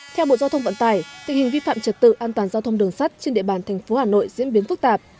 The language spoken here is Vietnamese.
theo bộ giao thông vận tải tình hình vi phạm trật tự an toàn giao thông đường sắt trên địa bàn thành phố hà nội diễn biến phức tạp